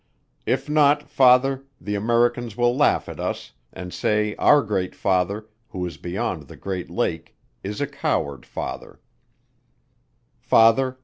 If not Father, the Americans will laugh at us, and say our Great Father, who is beyond the Great Lake is a coward Father.